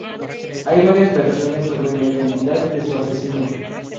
Hay varias versiones sobre la identidad de su asesino.